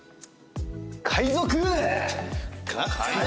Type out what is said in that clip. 海賊！